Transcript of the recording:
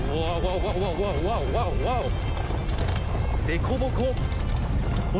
でこぼこ。